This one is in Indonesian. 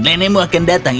nenekmu akan datang